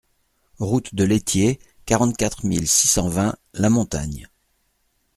Rue de l'Étier, quarante-quatre mille six cent vingt La Montagne